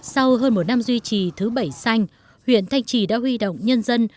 sau hơn một năm duy trì thứ bảy xanh huyện thanh trì đã huy động nhân dân